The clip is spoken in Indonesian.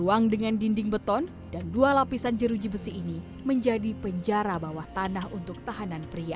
ruang dengan dinding beton dan dua lapisan jeruji besi ini menjadi penjara bawah tanah untuk tahanan pria